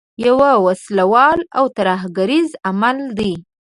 یو وسله وال او ترهګریز عمل دی.